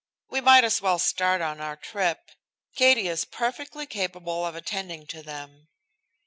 We might as well start on our trip. Katie is perfectly capable of attending to them."